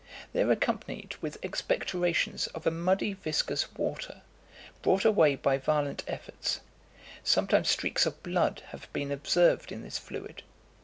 They are accompanied with expectorations of a muddy viscous water, brought away by violent efforts. Sometimes streaks of blood have been observed in this fluid.